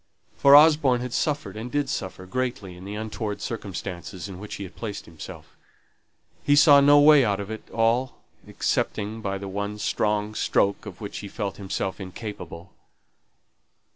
for Osborne had suffered, and did suffer, greatly in the untoward circumstances in which he had placed himself. He saw no way out of it all, excepting by the one strong stroke of which he felt himself incapable.